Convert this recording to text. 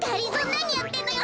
なにやってんのよ！